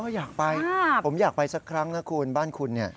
อยากไปผมอยากไปสักครั้งบ้านคุณนี่